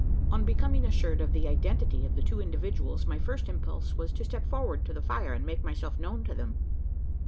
On becoming assured of the identity of the two individuals, my first impulse was to step forward to the fire, and make myself known to them.